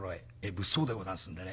物騒でござんすんでね。